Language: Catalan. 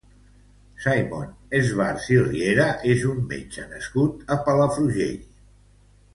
Simon Schwartz i Riera és un metge nascut a Palafrugell.